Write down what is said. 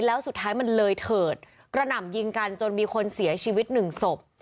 แล้วสุดท้ายมันเลยเถิดกระหน่ำยิงกันจนมีคนเสียชีวิตหนึ่งศพ